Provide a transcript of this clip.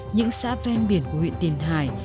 những xã ven biển của huyện tiền hải